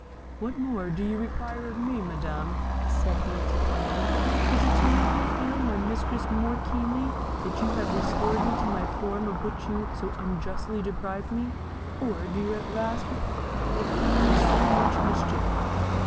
"What more do you require of me, Madam?" said he to Cornue. "Is it to make me feel my miseries more keenly that you have restored me to my form of which you so unjustly deprived me? or do you at last repent that you have done me so much mischief?"